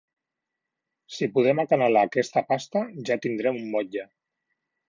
Si podem acanalar aquesta pasta, ja tindrem un motlle.